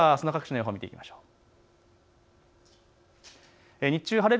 ではあすの各地の予報を見ていきましょう。